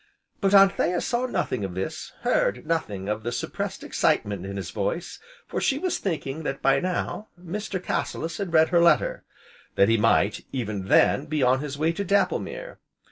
But Anthea saw nothing of this, heard nothing of the suppressed excitement in his voice, for she was thinking that by now, Mr. Cassilis had read her letter, that he might, even then, be on his way to Dapplemere.